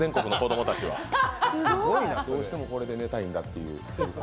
どうしてもこれで寝たいんだっていう寝袋。